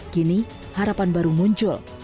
kini harapan baru muncul